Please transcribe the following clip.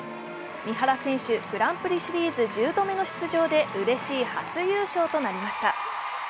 三原選手、グランプリシリーズ１０度目の出場でうれしい初優勝となりました。